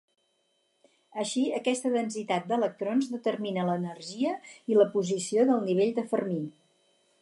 Així, aquesta densitat d'electrons determina l'energia i la posició del nivell de Fermi.